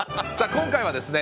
今回はですね